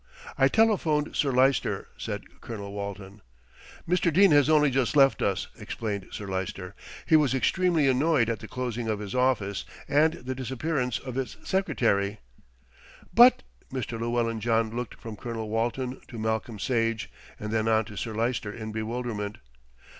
"I telephoned Sir Lyster," said Colonel Walton. "Mr. Dene has only just left us," explained Sir Lyster. "He was extremely annoyed at the closing of his office and the disappearance of his secretary." "But " Mr. Llewellyn John looked from Colonel Walton to Malcolm Sage, and then on to Sir Lyster in bewilderment.